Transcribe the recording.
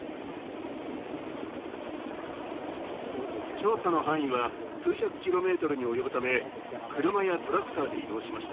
調査の範囲は数百キロメートルに及ぶため車やトラクターで移動しました。